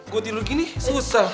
gue tidur gini susah